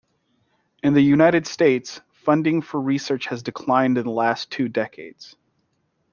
In the United States, funding for research has declined in the last two decades.